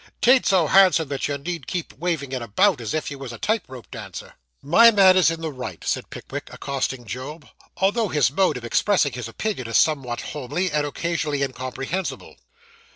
'Tain't so handsome that you need keep waving it about, as if you was a tight rope dancer.' 'My man is in the right,' said Mr. Pickwick, accosting Job, 'although his mode of expressing his opinion is somewhat homely, and occasionally incomprehensible.